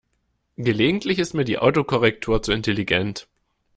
Gelegentlich ist mir die Autokorrektur zu intelligent.